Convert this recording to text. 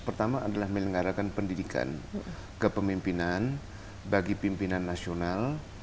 pertama adalah melenggarakan pendidikan kepemimpinan bagi pimpinan nasional